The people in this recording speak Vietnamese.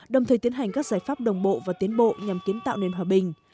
đồng thời tiến hành các giải pháp đồng bộ và tiến bộ nhằm kiến tạo nền hòa bình